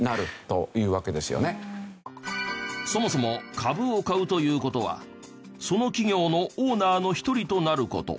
そもそも株を買うという事はその企業のオーナーの１人となる事。